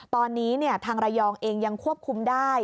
ตอนนี้ทางระยองเองยังควบคุมได้